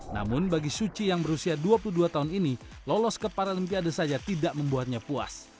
namun bagi suci yang berusia dua puluh dua tahun ini lolos ke paralimpiade saja tidak membuatnya puas